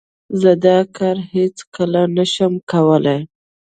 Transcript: زه دا کار هیڅ کله نه شم کولای.